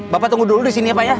bapak tunggu dulu disini ya pak ya